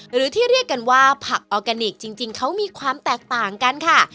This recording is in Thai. หรือที่เรียกกันว่าผักออร์แกนิคจริงเขามีความแตกต่างกันค่ะ